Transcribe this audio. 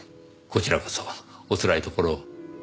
こちらこそおつらいところを。